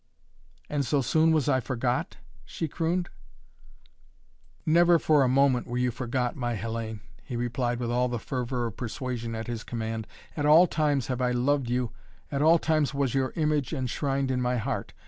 "And so soon was I forgot?" she crooned. "Never for a moment were you forgot, my Hellayne," he replied with all the fervor of persuasion at his command. "At all times have I loved you, at all times was your image enshrined in my heart.